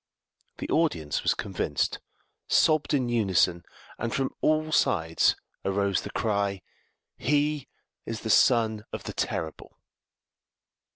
The audience was convinced, sobbed in unison, and from all sides arose the cry, "He is the son of the Terrible!"